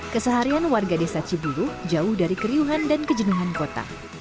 keseharian warga desa cibulu jauh dari keriuhan dan kejenuhan kota